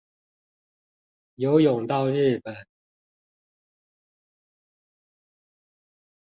游泳到日本